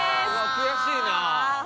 「悔しいな」